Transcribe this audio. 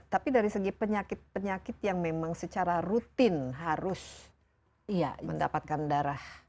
tapi dari segi penyakit penyakit yang memang secara rutin harus mendapatkan darah